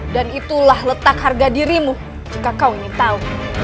dan itulah letak harga dirimu jika kau ingin tahu